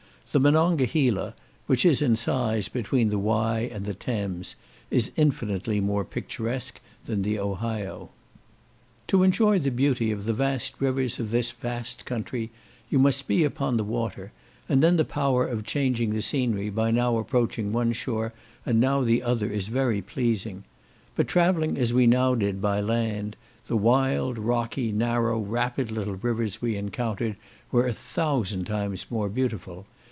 The Monongahela, which is in size between the Wye and the Thames, is infinitely more picturesque than the Ohio. To enjoy the beauty of the vast rivers of this vast country you must be upon the water; and then the power of changing the scenery by now approaching one shore, and now the other, is very pleasing; but travelling as we now did, by land, the wild, rocky, narrow, rapid little rivers we encountered, were a thousand times more beautiful.